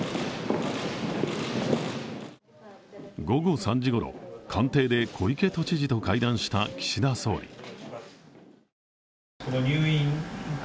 午後３時ごろ、官邸で小池都知事と会談した岸田総理。